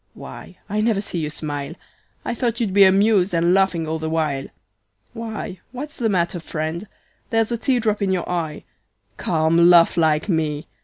Why, I never see you smile, I thought you'd be amused, and laughing all the while. Why, what's the matter, friend? There's a tear drop in you eye, Come, laugh like me.